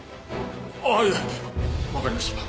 あっいやわかりました。